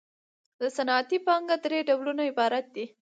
د صنعتي پانګې درې ډولونه عبارت دي